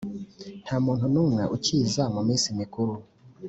nta muntu n’umwe ukiza mu minsi mikuru;